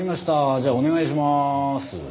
じゃあお願いします。